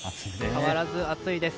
変わらず暑いです。